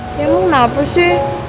emang kenapa sih